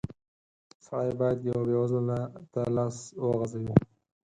سړی بايد يوه بېوزله ته لاس وغزوي.